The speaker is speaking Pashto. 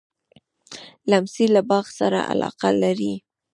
لمسی له باغ سره علاقه لري.